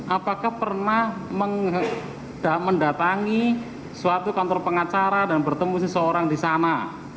apakah pernah mendatangi suatu kantor pengacara dan bertemu seseorang di sana